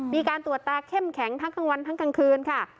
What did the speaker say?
มีการตรวจตาเข้มแข็งทั้งกลางวันทั้งกลางคืนค่ะ